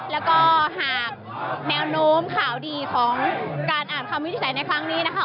แล้วก็หากแนวโน้มข่าวดีของการอ่านคำวินิจฉัยในครั้งนี้นะคะ